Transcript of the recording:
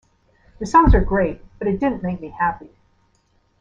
The songs were great but it didn't make me happy.